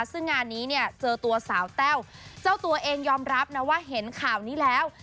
ซึ่งงานนี้เนี่ยเจอตัวสาวแต้วเจ้าตัวเองยอมรับนะว่าเห็นข่าวนี้แล้ว